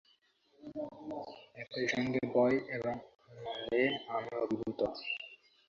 একই সঙ্গে ভয় এবং আনন্দে আমি অভিভূত।